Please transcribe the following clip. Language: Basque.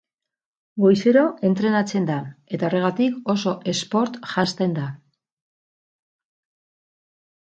Goizero entrenatzen da, eta horregatik oso sport janzten da.